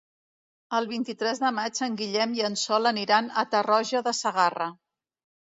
El vint-i-tres de maig en Guillem i en Sol aniran a Tarroja de Segarra.